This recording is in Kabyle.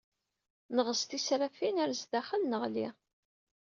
NƔez tisrafin, ar sdaxel neƔli.